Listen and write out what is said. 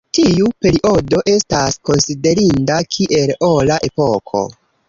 Tiu periodo estas konsiderinda kiel Ora epoko.